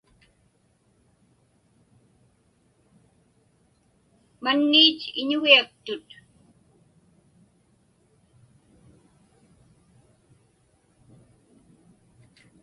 Mannich iñugiaktut.